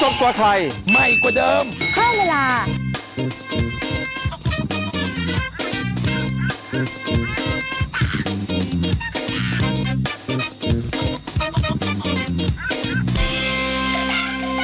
มันไม่จบนะคะ